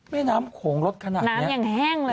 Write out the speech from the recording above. ไม่น้ำโขงรดขนาดนี้น้ำอย่างแห้งเลย